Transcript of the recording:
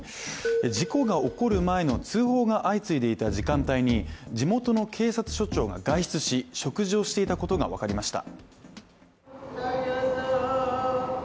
事故が起こる前の通報が相次いでいた時間帯に地元の警察署長が外出し、食事をしていたことが分かりました。